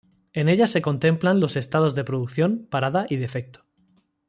En ella se contemplan los estados de producción, parada y defecto.